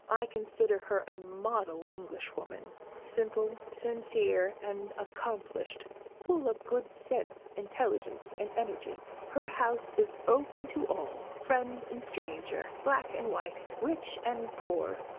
I consider her a model Englishwoman simple, sincere, and accomplished; full of good sense, intelligence, and energy. Her house is open to all, friend and stranger, black and white, rich and poor.